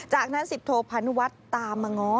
จากนั้นสิบโทพันวัดตามมาง้อ